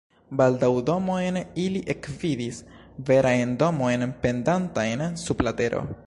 Baldaŭ domojn ili ekvidis, verajn domojn pendantajn sub la tero.